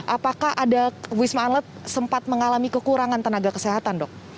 apakah ada wisma atlet sempat mengalami kekurangan tenaga kesehatan dok